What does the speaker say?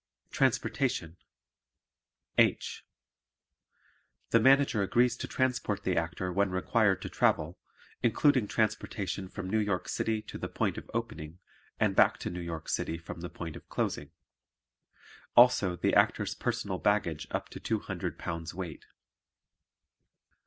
Transportation H. The Manager agrees to transport the Actor when required to travel, including transportation from New York City to the point of opening and back to New York City from the point of closing; also the Actor's personal baggage up to two hundred pounds weight.